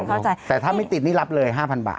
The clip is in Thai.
เข้าใจแต่ถ้าไม่ติดนี่รับเลย๕๐๐บาท